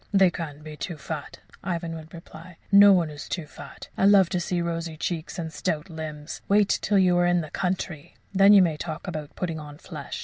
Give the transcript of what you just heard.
"They can't be too fat," Ivan would reply. "No one is too fat. I love to see rosy cheeks and stout limbs. Wait till you're in the country! Then you may talk about putting on flesh.